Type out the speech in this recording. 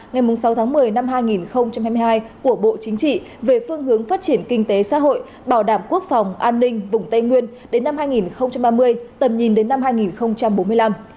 ngày sáu tháng một mươi năm hai nghìn hai mươi hai của bộ chính trị về phương hướng phát triển kinh tế xã hội bảo đảm quốc phòng an ninh vùng tây nguyên đến năm hai nghìn ba mươi tầm nhìn đến năm hai nghìn bốn mươi năm